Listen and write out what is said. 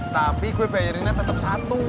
tapi gue bayarinya tetap satu